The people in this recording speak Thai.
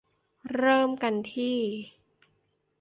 เริ่มกันที่